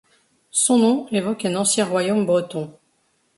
Son nom évoque un ancien royaume breton.